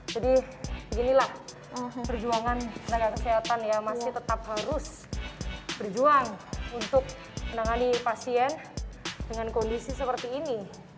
jadi beginilah perjuangan tenaga kesehatan ya masih tetap harus berjuang untuk menangani pasien dengan kondisi seperti ini